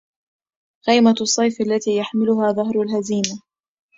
غيمة الصيف التي.. يحملها ظهر الهزيمهْ